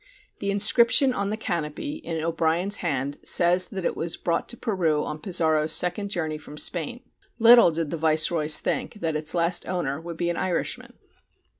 The inscription on the canopy, in O'Brien's hand, says that it was brought to Peru on Pizarro's second journey from Spain. Little did the viceroys think that its last owner would be an Irishman.